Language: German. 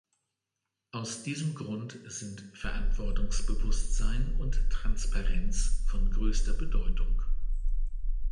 Aus diesem Grund sind Verantwortungsbewusstsein und Transparenz von größter Bedeutung.